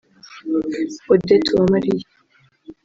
Odette Uwamaliya